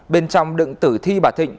bên trong đựng tử thi bà thịnh